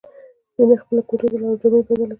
مینه خپلې کوټې ته لاړه او جامې یې بدلې کړې